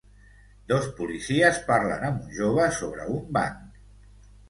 Dos policies parlen amb un jove sobre un banc.